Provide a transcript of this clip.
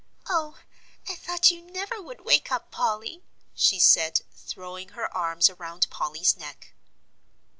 "Oh, I thought you never would wake up, Polly," she said, throwing her arms around Polly's neck.